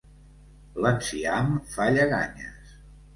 L'enciam fa lleganyes.